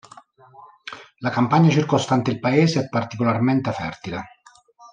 La campagna circostante il paese è particolarmente fertile.